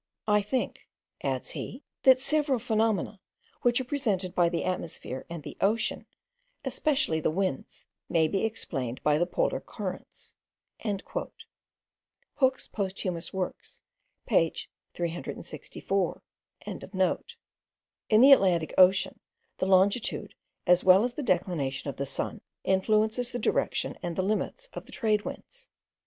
"I think (adds he) that several phenomena, which are presented by the atmosphere and the ocean, especially the winds, may be explained by the polar currents." Hooke's Posthumous Works page 364.) In the Atlantic Ocean, the longitude, as well as the declination of the sun, influences the direction and limits of the trade winds.